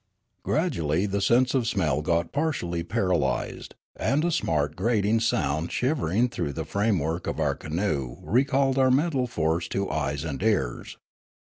Graduall} the sense of smell got partially paralysed, and a smart grating sound shivering through the frame work of our canoe recalled our mental force to eyes and ears.